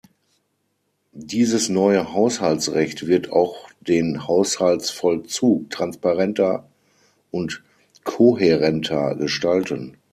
Dieses neue Haushaltsrecht wird auch den Haushaltsvollzug transparenter und kohärenter gestalten.